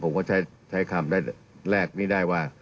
เพราะฉะนั้นผมก็ใช้คำและแรกนี่ได้ว่า